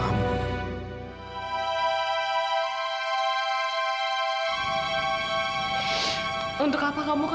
tapi aku sampai ketemu kamu